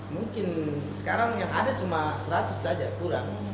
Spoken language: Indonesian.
mungkin sekarang yang ada cuma seratus saja kurang